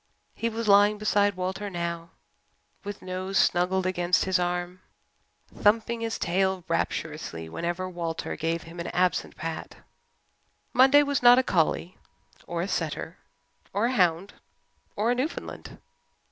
He was lying beside Walter now with nose snuggled against his arm, thumping his tail rapturously whenever Walter gave him an absent pat. Monday was not a collie or a setter or a hound or a Newfoundland.